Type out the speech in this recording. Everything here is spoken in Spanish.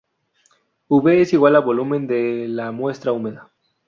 V= Volumen de la muestra húmeda.